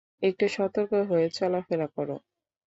একটু সতর্ক হয়ে চলাফেরা করো?